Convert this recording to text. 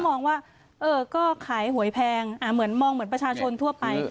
มองว่าเออก็ขายหวยแพงเหมือนมองเหมือนประชาชนทั่วไป